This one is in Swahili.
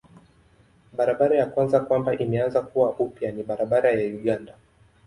Barabara ya kwanza kwamba imeanza kuwa upya ni barabara ya Uganda.